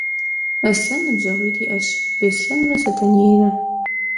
Aslhen nıbjeğuit' yi'eş - Bêslhenre Satenre.